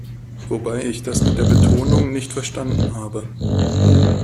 Wobei ich das mit der Betonung nicht verstanden habe.